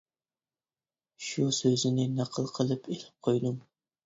شۇ سۆزىنى نەقىل قىلىپ ئېلىپ قويدۇم.